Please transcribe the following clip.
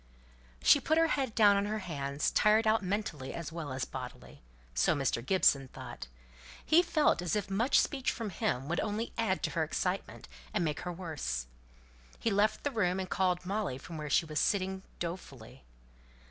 She put her head down on her hands; tired out mentally as well as bodily. So Mr. Gibson thought. He felt as if much speech from him would only add to her excitement, and make her worse. He left the room, and called Molly, from where she was sitting, dolefully.